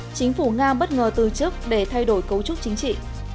chính phủ nga bất ngờ từ chức để thay đổi cấu trúc chính trị